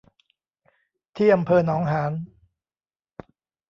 ที่อำเภอหนองหาน